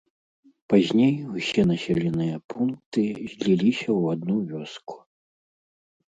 Пазней усе населеныя пункты зліліся ў адну вёску.